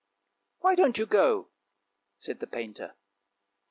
" Why don't you go! " said the painter.